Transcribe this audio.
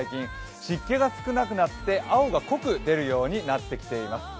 湿気が少なくなって青が濃く出るようになってきています。